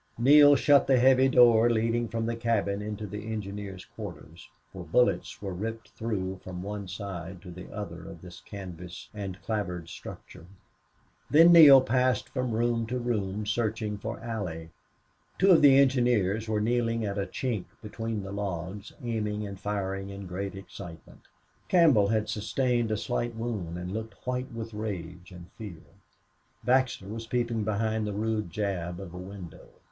Neale shut the heavy door leading from the cabin into the engineers' quarters, for bullets were ripped through from one side to the other of this canvas and clapboard structure. Then Neale passed from room to room, searching for Allie. Two of the engineers were kneeling at a chink between the logs, aiming and firing in great excitement. Campbell had sustained a slight wound and looked white with rage and fear. Baxter was peeping from behind the rude jamb of a window.